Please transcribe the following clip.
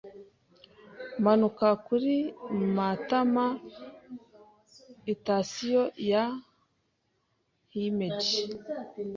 Manuka kuri Matamaitasiyo ya Himeji.